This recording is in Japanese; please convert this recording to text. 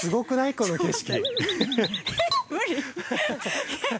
この景色。